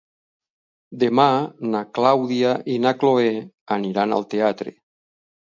Demà na Clàudia i na Cloè aniran al teatre.